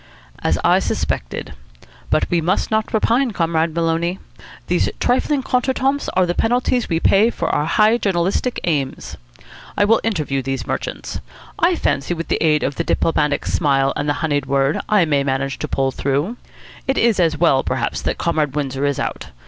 "As I suspected. But we must not repine, Comrade Maloney. These trifling contretemps are the penalties we pay for our high journalistic aims. I will interview these merchants. I fancy that with the aid of the Diplomatic Smile and the Honeyed Word I may manage to pull through. It is as well, perhaps, that Comrade Windsor is out.